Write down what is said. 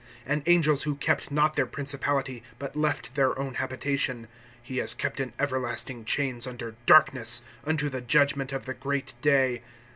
(6)And angels who kept not their principality, but left their own habitation, he has kept in everlasting chains under darkness, unto the judgment of the great day.